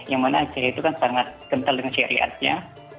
yang mana aceh itu kan sangat kental dengan syariatnya